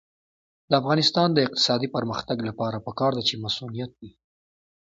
د افغانستان د اقتصادي پرمختګ لپاره پکار ده چې مصونیت وي.